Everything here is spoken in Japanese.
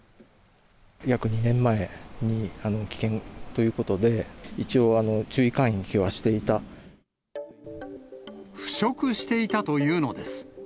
約２年前に、危険ということ腐食していたというのです。